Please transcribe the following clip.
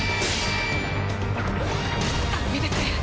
ダメです。